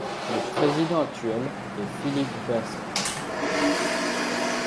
Le président actuel est Philippe Basque.